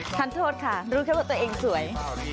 ทานโทษค่ะรู้แค่ว่าตัวเองสวย